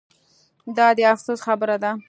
دا د افسوس خبره ده